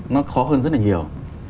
nó khó hơn rất là nhiều